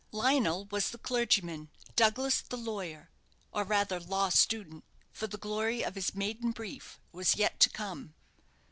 Lionel was the clergyman, Douglas the lawyer, or rather law student, for the glory of his maiden brief was yet to come.